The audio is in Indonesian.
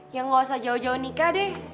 yang gak usah jauh jauh nikah deh